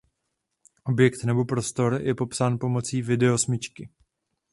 Objekt nebo prostor je popsán pomocí video smyčky.